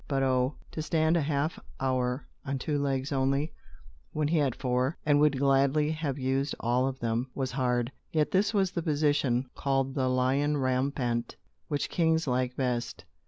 But oh, to stand a half hour on two legs only, when he had four, and would gladly have used all of them, was hard. Yet this was the position, called "the lion rampant," which kings liked best.